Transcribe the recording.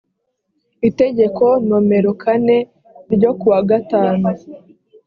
itegeko nomero kane ryo kuwa gatanu